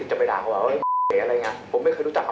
พี่ก็ไม่ด่าครับเพราะพี่ไม่รู้ใช่ปะ